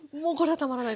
たまらないと。